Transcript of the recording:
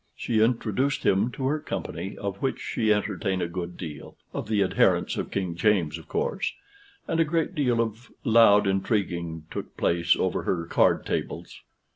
She introduced him to her company, of which she entertained a good deal of the adherents of King James of course and a great deal of loud intriguing took place over her card tables.